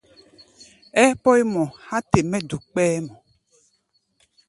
Ɛɛ pɔ́í mɔ há̧ te mɛ́ duk kpɛ́ɛ́ mɔ.